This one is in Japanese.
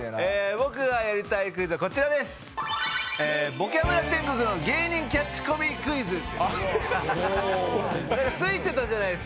僕がやりたいクイズはこちらです。